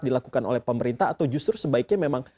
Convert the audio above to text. dilakukan oleh pemerintah atau justru sebaiknya memang